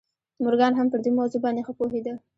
مورګان هم پر دې موضوع باندې ښه پوهېده